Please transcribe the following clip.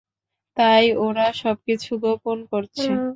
তাই ওরা সবকিছু গোপন করছে।